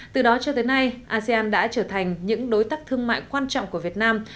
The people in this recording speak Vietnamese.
từ đó cho tới nay asean đã trở thành những đối tác thương mại quan trọng của việt nam